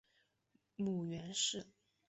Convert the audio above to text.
母袁氏。